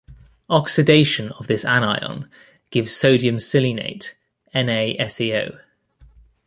Oxidation of this anion gives sodium selenate, NaSeO.